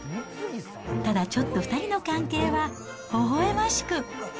ただちょっと２人の関係はほほえましく。